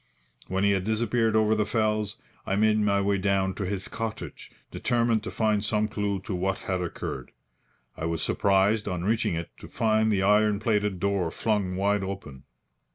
When he had disappeared over the fells, I made my way down to his cottage, determined to find some clue to what had occurred. I was surprised, on reaching it, to find the iron plated door flung wide open.